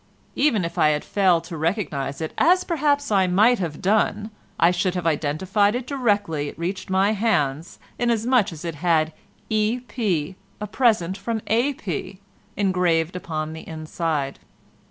Even if I had failed to recognise it, as perhaps I might have done, I should have identified it directly it reached my hands, inasmuch as it had 'E. P., a present from A. P.' engraved upon the inside.